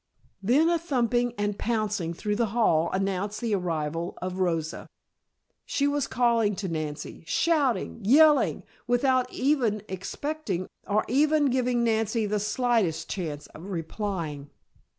Then a thumping and pouncing through the hall announced the arrival of Rosa. She was calling to Nancy, shouting, yelling without even expecting or even giving Nancy the slightest chance of replying.